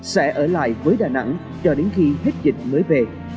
sẽ ở lại với đà nẵng cho đến khi hết dịch mới về